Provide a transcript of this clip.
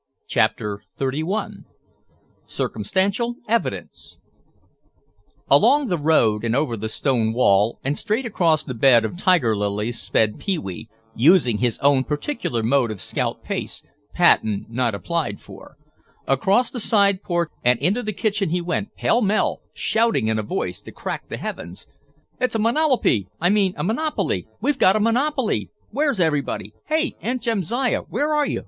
CHAPTER XXXI CIRCUMSTANTIAL EVIDENCE Along the road and over the stone wall and straight across the bed of tiger lilies sped Pee wee, using his own particular mode of scout pace, patent not applied for. Across the side porch and into the kitchen he went, pell mell, shouting in a voice to crack the heavens. "It's a monolopy—I mean a monopoly! We've got a monopoly! Where's everybody? Hey, Aunt Jamsiah, where are you?